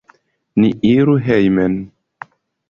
Ni iru hejmen!